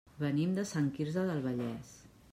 Venim de Sant Quirze del Vallès.